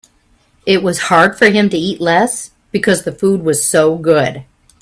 It was hard for him to eat less because the food was so good.